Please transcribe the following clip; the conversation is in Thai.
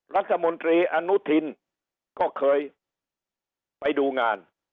รัฐมนตรีอนุทินก็เคยไปดูงาน